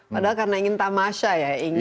padahal karena ingin tamasha ya ingin